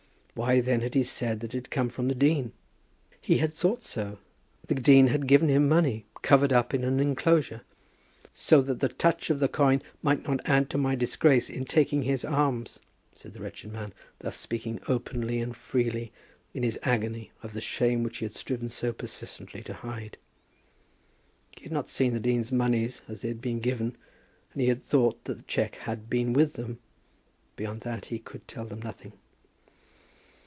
Why then had he said that it had come from the dean? He had thought so. The dean had given him money, covered up, in an enclosure, "so that the touch of the coin might not add to my disgrace in taking his alms," said the wretched man, thus speaking openly and freely in his agony of the shame which he had striven so persistently to hide. He had not seen the dean's monies as they had been given, and he had thought that the cheque had been with them. Beyond that he could tell them nothing.